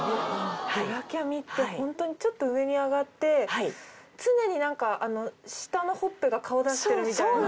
ブラキャミってホントにちょっと上に上がって常に下のほっぺが顔出してるみたいな。